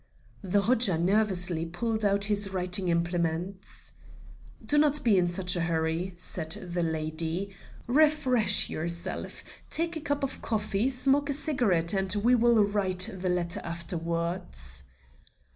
The Hodja nervously pulled out his writing implements. "Do not be in such a hurry," said the lady. "Refresh yourself; take a cup of coffee, smoke a cigarette, and we will write the letter afterwards."